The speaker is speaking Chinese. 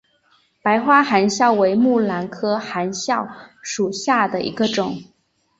白花含笑为木兰科含笑属下的一个种。